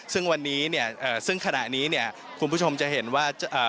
ซึ่งขณะนี้คุณผู้ชมจะเห็นว่า